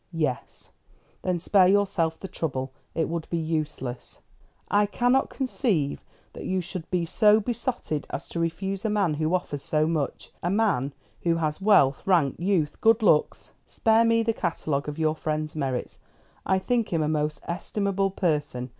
"Yes." "Then spare yourself the trouble. It would be useless." "I cannot conceive that you should be so besotted as to refuse a man who offers so much. A man who has wealth, rank, youth, good looks " "Spare me the catalogue of your friend's merits. I think him a most estimable person.